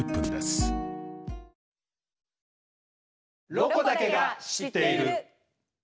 「ロコだけが知っている」。